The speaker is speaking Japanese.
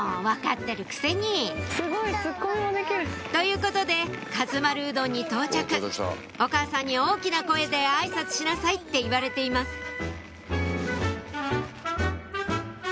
分かってるくせにということでかず丸うどんに到着お母さんに「大きな声であいさつしなさい」って言われています